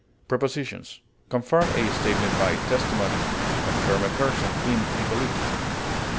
Prepositions: Confirm a statement by testimony; confirm a person in a belief.